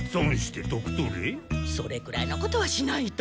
それくらいのことはしないと。